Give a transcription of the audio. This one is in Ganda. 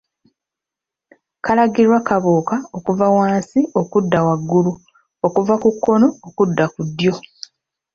Kalagibwa kabuka okuva wansi okudda waggulu okuva ku kkono okudda ku ddyo